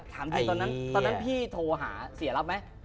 ถามจริงตอนนั้นตอนนั้นพี่โทรหาเสียรับไหม